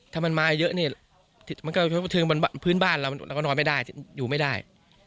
ถ้ามันมาเยอะนี่มันก็เชิงพื้นบ้านเราก็นอนไม่ได้อยู่ไม่ได้